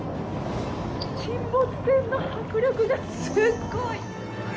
沈没船の迫力がすっごい。